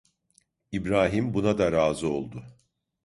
İbrahim buna da razı oldu.